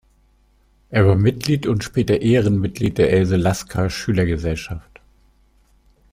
Er war Mitglied und später Ehrenmitglied der Else-Lasker-Schüler-Gesellschaft.